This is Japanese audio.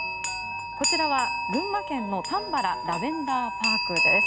こちらは群馬県のたんばらラベンダーパークです。